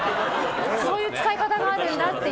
そういう使い方があるんだっていう。